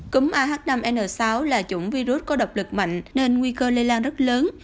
cúm ah năm n sáu là chủng virus có độc lực mạnh nên nguy cơ lây lan rất lớn